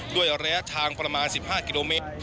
ด้วยระยะทางประมาณ๑๕กิโลเมตร